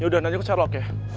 yaudah nanya ke share vlog ya